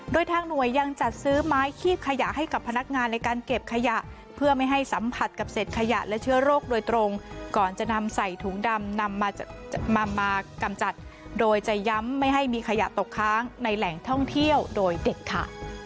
โดยทางหน่วยยังจัดซื้อไม้คีบขยะให้กับพนักงานในการเก็บขยะเพื่อไม่ให้สัมผัสกับเศษขยะและเชื้อโรคโดยตรงก่อนจะนำใส่ถุงดำนำมากำจัดโดยจะย้ำไม่ให้มีขยะตกค้างในแหล่งท่องเที่ยวโดยเด็ดค่ะ